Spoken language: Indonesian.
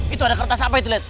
itu ada kertas apa itu lihat